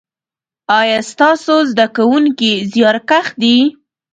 ایا ستاسو زده کونکي زیارکښ دي؟